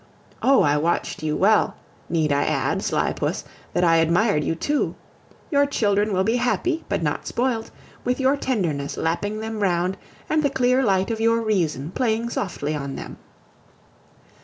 Oh! I watched you well; need I add, sly puss, that I admired you too! Your children will be happy, but not spoilt, with your tenderness lapping them round and the clear light of your reason playing softly on them.